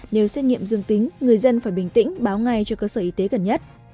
nếu xét nghiệm dương tính người dân phải bình tĩnh báo ngay cho cơ sở y tế gần nhất